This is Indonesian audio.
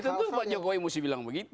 itu itu pak jokowi mesti bilang begitu